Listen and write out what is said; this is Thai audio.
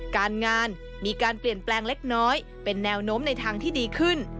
การงานมีการเปลี่ยนแปลงเล็กน้อยเป็นแนวโน้มในทางที่ดีขึ้น